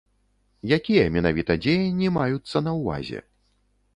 Якія менавіта дзеянні маюцца на ўвазе?